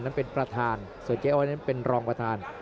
นั้นเป็นประธานส่วนเจ๊อ้อยนั้นเป็นรองประธาน